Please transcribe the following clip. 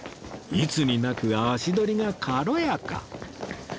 いつになく足どりが軽やか